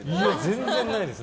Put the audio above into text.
全然ないです。